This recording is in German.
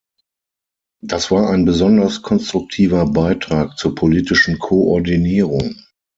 Das war ein besonders konstruktiver Beitrag zur politischen Koordinierung.